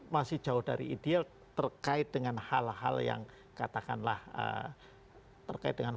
masih jauh dari ideal terkait dengan hal hal yang katakanlah terkait dengan